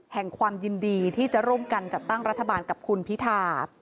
แห่งความยินดีที่จะร่วมกันจัดตั้งรัฐบาลกับคุณพิธา